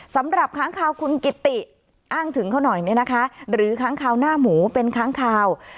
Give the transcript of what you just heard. ค้างคาวคุณกิติอ้างถึงเขาหน่อยเนี่ยนะคะหรือค้างคาวหน้าหมูเป็นค้างคาว